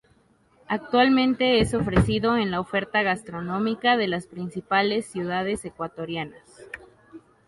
Actualmente es ofrecido en la oferta gastronómica de las principales ciudades ecuatorianas.